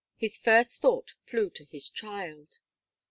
His first thought flew to his child.